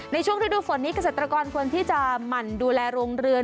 ในช่วงฤดูฝนนี้เกษตรกรควรที่จะหมั่นดูแลโรงเรือน